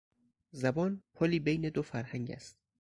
زبان پلی بین دو فرهنگ است.